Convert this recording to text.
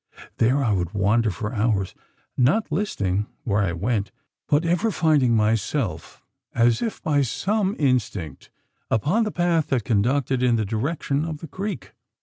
There I would wander for hours, not listing where I went; but ever finding myself, as if by some instinct, upon the path that conducted in the direction of the creek!